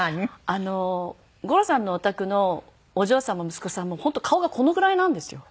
あの五郎さんのお宅のお嬢さんも息子さんも本当顔がこのぐらいなんですよ。